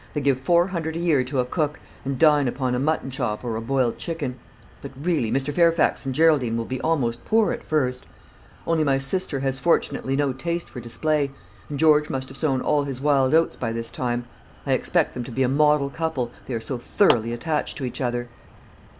They give four hundred a year to a cook, and dine upon a mutton chop or a boiled chicken. But really Mr. Fairfax and Geraldine will be almost poor at first; only my sister has fortunately no taste for display, and George must have sown all his wild oats by this time. I expect them to be a model couple, they are so thoroughly attached to each other."